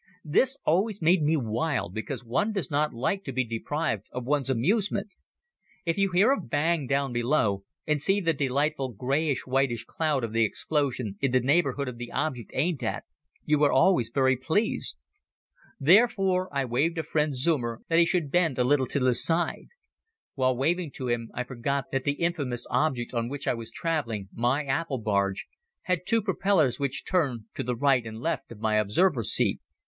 This always made me wild because one does not like to be deprived of one's amusement. If you hear a bang down below and see the delightful grayish whitish cloud of the explosion in the neighborhood of the object aimed at, you are always very pleased. Therefore I waved to friend Zeumer that he should bend a little to the side. While waving to him I forgot that the infamous object on which I was traveling, my apple barge, had two propellers which turned to the right and left of my observer seat.